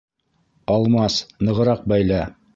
Алмас, нығыраҡ бәйлә!